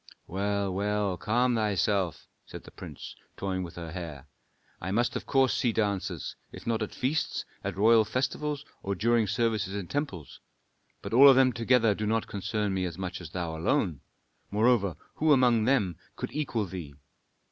"Well, well, calm thyself," said the prince, toying with her hair. "I must of course see dancers, if not at feasts, at royal festivals, or during services in temples. But all of them together do not concern me as much as thou alone; moreover, who among them could equal thee?